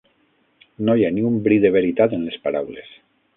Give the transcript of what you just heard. No hi ha ni un bri de veritat en les paraules!